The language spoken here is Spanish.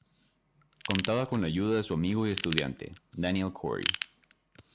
Contaba con la ayuda de su amigo y estudiante, Daniel Cory.